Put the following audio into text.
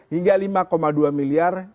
hingga lima dua miliar